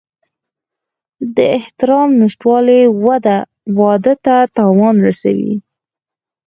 د احترام نشتوالی واده ته تاوان رسوي.